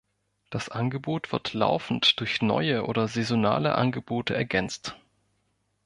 Das Angebot wird laufend durch neue oder saisonale Angebote ergänzt.